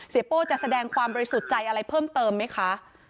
โป้จะแสดงความบริสุทธิ์ใจอะไรเพิ่มเติมไหมคะ